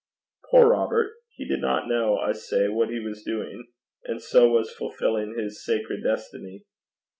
Poor Robert! He did not know, I say, what he was doing, and so was fulfilling his sacred destiny.